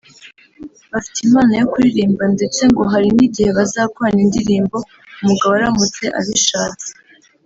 bafite impano yo kuririmba ndetse ngo hari n’igihe bazakorana indirimbo umugabo aramutse abishatse